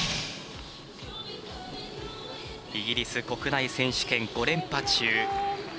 イギリス国内選手権５連覇中。